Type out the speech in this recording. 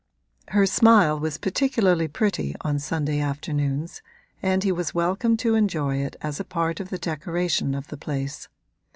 Her smile was particularly pretty on Sunday afternoons and he was welcome to enjoy it as a part of the decoration of the place.